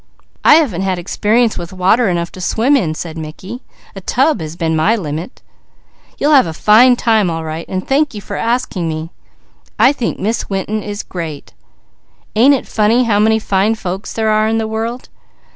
"I haven't had experience with water enough to swim in," said Mickey. "A tub has been my limit. You'll have a fine time all right, and thank you for asking me. I think Miss Winton is great. Ain't it funny how many fine folks there are in the world?